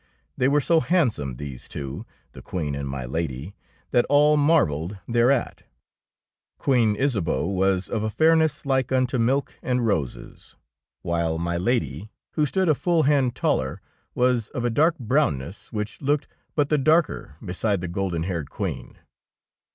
They were so handsome, these two, the Queen and my Lady, that all marvelled thereat. Queen Isabeau was of a fair ness like unto milk and roses, while my 35 DEEDS OF DABING Lady, who stood a full hand taller, was of a dark brownness, which looked but the darker beside the golden haired Queen.